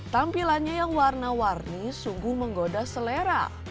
tampilannya yang warna warni sungguh menggoda selera